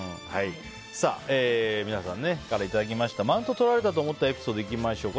皆さんからいただいたマウントをとられたと思ったエピソードいきましょう。